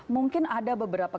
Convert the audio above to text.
mungkin ada beberapa